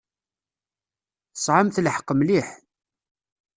Tesɛamt lḥeqq mliḥ.